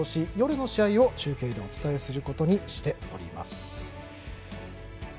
夜の試合を中継でお伝えすることにしています。